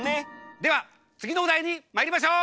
ではつぎのおだいにまいりましょう！